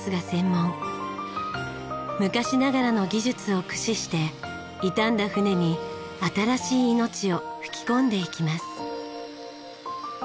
昔ながらの技術を駆使して傷んだ船に新しい命を吹き込んでいきます。